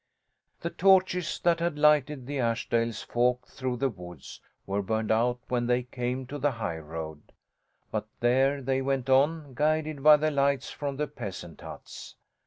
The torches that had lighted the Ashdales folk through the woods were burned out when they came to the highroad; but here they went on, guided by the lights from peasant huts.